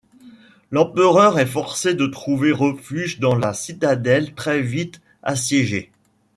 L'empereur est forcé de trouver refuge dans la citadelle très vite assiégée.